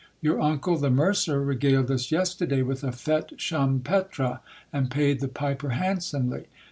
Your uncle, the mercer, regaled us yesterday with a fete champetre, and paid the piper handsomely.